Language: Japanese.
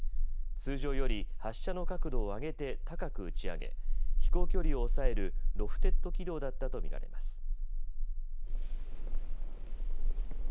通常より発射の角度を上げて高く打ち上げ飛行距離を抑えるロフテッド軌道だったと見られます。